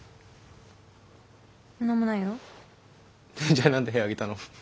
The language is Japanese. じゃあ何で部屋上げたの？